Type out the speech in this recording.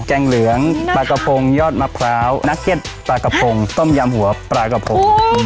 แกงเหลืองปลากระพงยอดมะพร้าวนักเก็ตปลากระพงต้มยำหัวปลากระพง